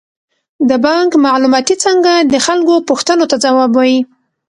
د بانک معلوماتي څانګه د خلکو پوښتنو ته ځواب وايي.